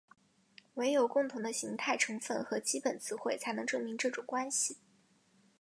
惟有共同的形态成分和基本词汇才能证明这种关系。